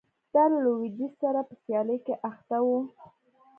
دا له لوېدیځ سره په سیالۍ کې اخته و